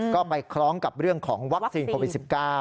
ก็ไปคล้องกับเรื่องของวัคซีนโควิด๑๙